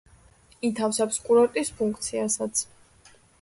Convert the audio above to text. ითავსებს კურორტის ფუნქციასაც.